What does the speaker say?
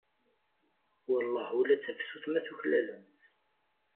Welleh ula d tafsut ma tuklalem-tt.